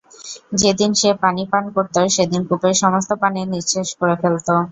যেদিন সে পানি পান করত সেদিন কূপের সমস্ত পানি নিঃশেষ করে ফেলত।